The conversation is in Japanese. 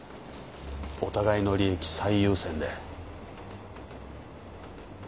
お互いの利益最優先で。